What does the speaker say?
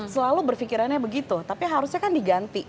selalu berpikirannya begitu tapi harusnya kan diganti